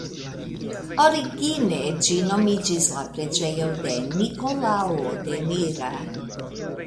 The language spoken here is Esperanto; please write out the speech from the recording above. Origine ĝi nomiĝis la preĝejo de Nikolao de Mira.